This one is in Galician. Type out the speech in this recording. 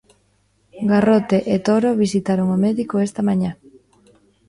Garrote e Toro visitaron o médico esta mañá.